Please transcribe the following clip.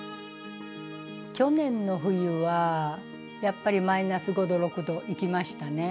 去年の冬はやっぱりマイナス５６度いきましたね。